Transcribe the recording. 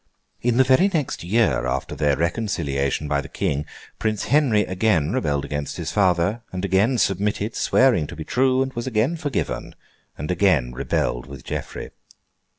In the very next year after their reconciliation by the King, Prince Henry again rebelled against his father; and again submitted, swearing to be true; and was again forgiven; and again rebelled with Geoffrey.